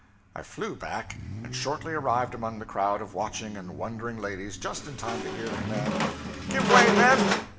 I flew back, and shortly arrived among the crowd of watching and wondering ladies just in time to hear the command: 'Give way, men!'